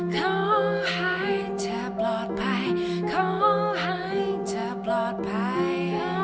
ขอให้เธอปลอดภัยขอให้เธอปลอดภัย